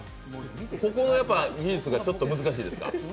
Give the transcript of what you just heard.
ここは技術がちょっと難しいですか？